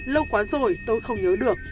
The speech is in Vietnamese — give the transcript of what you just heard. lâu quá rồi tôi không nhớ được